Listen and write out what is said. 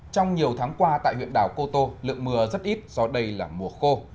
trong nhiều tháng qua tại huyện đảo cô tô lượng mưa rất ít do đây là mùa khô